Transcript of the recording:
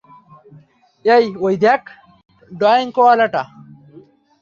এই, ঐ দেখ, ডয়েঙ্কওয়ালাটা।